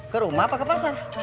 ke rumah apa ke pasar